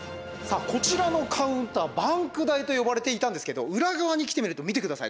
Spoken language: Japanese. こちらのカウンター、バンク台と呼ばれていたんですけど裏側に来てみると、見てください。